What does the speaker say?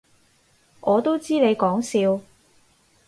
我都知你講笑